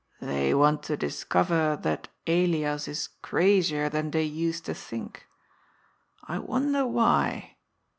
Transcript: "They want to discover that Elias is crazier than they used to think. I wonder why."